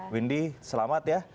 windy selamat ya